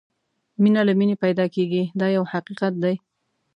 مینه له مینې پیدا کېږي دا یو حقیقت دی.